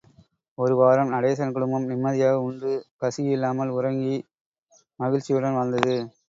ஒரு வாரம் நடேசன் குடும்பம் நிம்மதியாக உண்டு, பசியில்லாமல் உறங்கி, மகிழ்ச்சியுடன் வாழ்ந்தது.